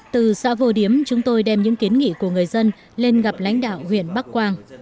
từ xã vô điếm chúng tôi đem những kiến nghị của người dân lên gặp lãnh đạo huyện bắc quang